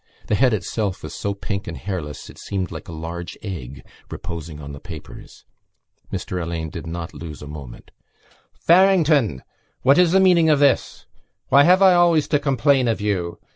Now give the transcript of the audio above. The head itself was so pink and hairless it seemed like a large egg reposing on the papers. Mr Alleyne did not lose a moment: "Farrington? What is the meaning of this? Why have I always to complain of you?